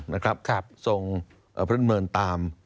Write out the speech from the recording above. ส่งพระท่านเมินตาม